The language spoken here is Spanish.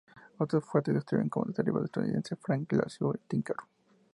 Otras fuentes atribuyen este derribo al estadounidense Frank Glasgow Tinker.